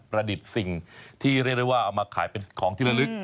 ดิษฐ์สิ่งที่เรียกได้ว่าเอามาขายเป็นของที่ละลึก